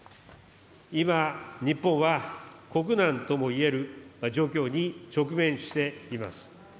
今、日本は、国難ともいえる状況に直面しています。